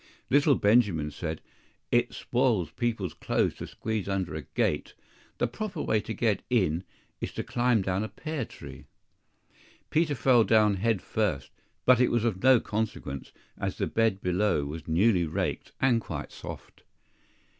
LITTLE Benjamin said, "It spoils people's clothes to squeeze under a gate; the proper way to get in, is to climb down a pear tree." Peter fell down head first; but it was of no consequence, as the bed below was newly raked and quite soft.